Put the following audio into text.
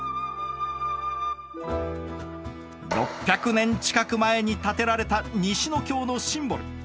６００年近く前に建てられた西の京のシンボル。